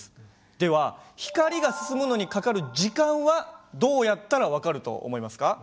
では光が進むのにかかる時間はどうやったら分かると思いますか？